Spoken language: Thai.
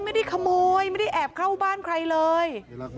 ไม่ได้ขโมยไม่ได้แอบเข้าบ้านใครเลย